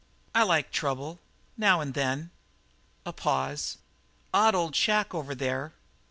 "I like trouble now and then." A pause. "Odd old shack over there."